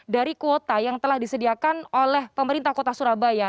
dari kuota yang telah disediakan oleh pemerintah kota surabaya